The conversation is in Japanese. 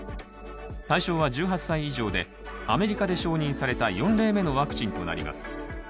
対象は１８歳以上でアメリカで承認された４例目のワクチンとなります。